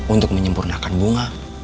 untuk menyempurnakan bunga